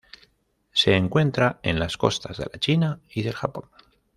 Se encuentra en las costas de la China y del Japón.